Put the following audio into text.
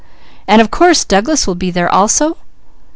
And of course Douglas will be there also?"